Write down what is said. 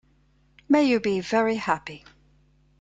May you be very happy!